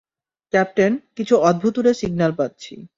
Captain, কিছু অদ্ভুতুড়ে signal পাচ্ছি।